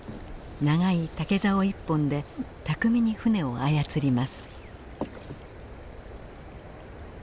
長い竹竿一本で巧みに舟を操ります。